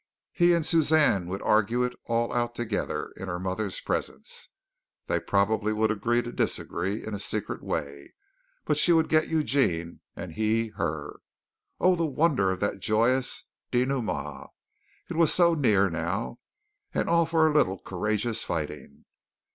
He and Suzanne would argue it all out together in her mother's presence. They would probably agree to disagree in a secret way, but she would get Eugene and he her. Oh, the wonder of that joyous dénouement. It was so near now, and all for a little courageous fighting.